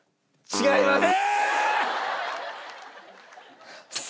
違います！